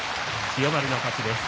千代丸の勝ちです。